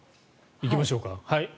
行きましょうか。